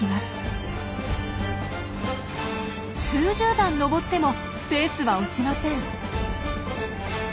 数十段登ってもペースは落ちません。